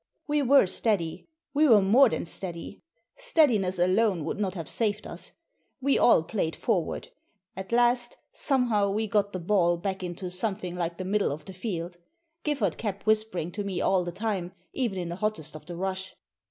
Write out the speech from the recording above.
We were steady. We were more than steady. Steadiness alone would not have saved us. We all played forward. At last, somehow, we got the ball back into something like the middle of the field. Giffard kept whispering to me all the time, even in the hottest of the rush.